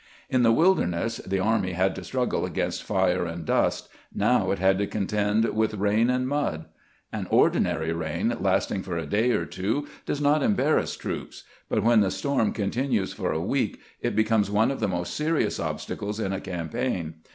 In the Wilderness the army had to struggle against fire and dust ; now it had to contend with rain and mud. An ordinary rain, lasting for a day or two, does not embarrass troops ; but when the storm continues for a week it becomes one of the most serious obstacles in a campaign.